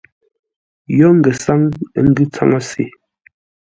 Yo ngəsáŋ ə́ ngʉ̌ tsáŋə́ se.